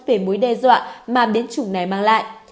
về mối đe dọa mà biến chủng này mang lại